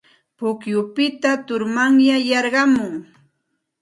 Pukyupita turmanyay yarqumun.